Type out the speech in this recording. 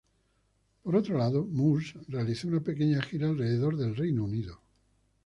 Por otro lado, Murs realizó una pequeña gira alrededor del Reino Unido.